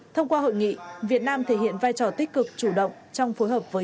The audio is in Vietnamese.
thông qua hội nghị việt nam thể hiện vai trò tích cực chủ động trong phối hợp với